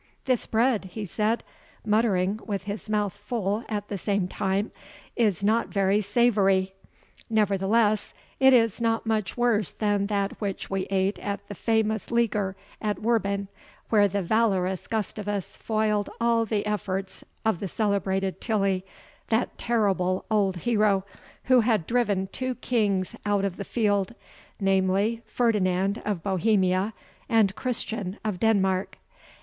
"This bread," he said, muttering (with his mouth full at the same time), "is not very savoury; nevertheless, it is not much worse than that which we ate at the famous leaguer at Werben, where the valorous Gustavus foiled all the efforts of the celebrated Tilly, that terrible old hero, who had driven two kings out of the field namely, Ferdinand of Bohemia and Christian of Denmark.